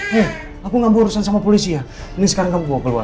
hei aku ngambil urusan sama polisi ya mending sekarang kamu bawa keluar